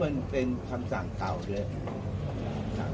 พี่โจ๊กกำลังจะกลับมา